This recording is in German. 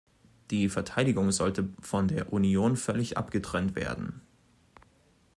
Die Verteidigung sollte von der Union völlig abgetrennt werden.